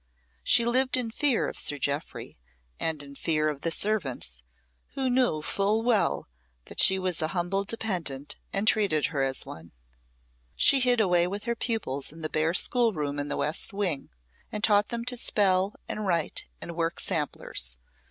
She lived in fear of Sir Jeoffry, and in fear of the servants, who knew full well that she was an humble dependant, and treated her as one. She hid away with her pupils in the bare school room in the west wing, and taught them to spell and write and work samplers.